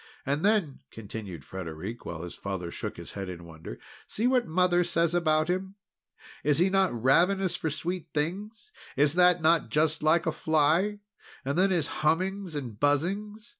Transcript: And then," continued Frederic, while his father shook his head in wonder, "see what Mother says about him. Is he not ravenous for sweet things? Is that not just like a fly? And then his hummings and buzzings."